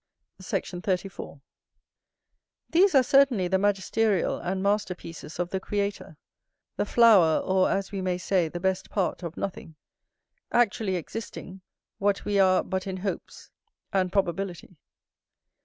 Sect. 34. These are certainly the magisterial and masterpieces of the Creator; the flower, or, as we may say, the best part of nothing; actually existing, what we are but in hopes, and probability.